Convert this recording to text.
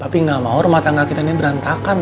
bapak nggak mau rumah tangga kita berantakan